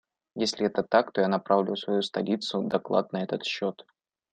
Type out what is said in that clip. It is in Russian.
Если это так, то я направлю в свою столицу доклад на этот счет.